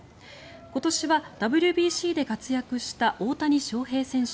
今年はＷＢＣで活躍した大谷翔平選手